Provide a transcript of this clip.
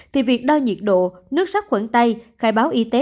thì việc đo nhiệt độ nước sắc khuẩn tay khai báo y tế